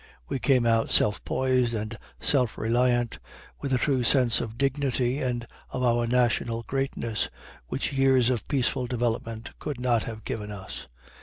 We came out self poised and self reliant, with a true sense of dignity and of our national greatness, which years of peaceful development could not have given us.